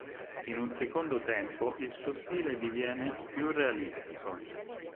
In un secondo tempo il suo stile diviene più realistico.